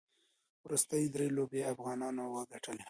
وروستۍ درې لوبې افغانانو وګټلې.